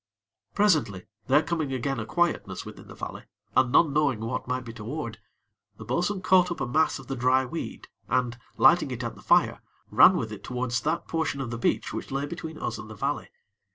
Presently, there coming again a quietness within the valley, and none knowing what might be toward, the bo'sun caught up a mass of the dry weed, and, lighting it at the fire, ran with it towards that portion of the beach which lay between us and the valley.